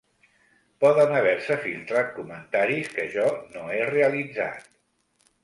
Poden haver-se filtrat comentaris que jo no he realitzat.